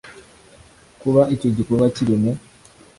kuba icyo gikorwa kiri mu